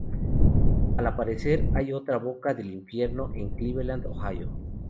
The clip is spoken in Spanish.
Al parecer, hay otra Boca del Infierno en Cleveland, Ohio.